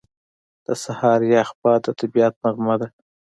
• د سهار یخ باد د طبیعت نغمه ده.